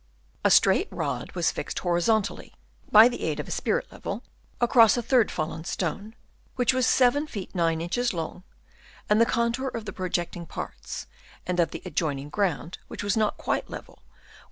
A straight rod was fixed horizontally (by the aid of a spirit level) across a third fallen stone, which was 7 feet 9 inches long ; and the contour of the projecting parts and of the ad joining ground, which was not quite level, Chap.